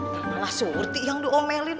malah surti yang diomelin